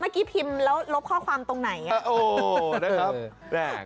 เมื่อกี้พิมพ์แล้วลบข้อความตรงไหนอะครับยาว๊ะอ๋อ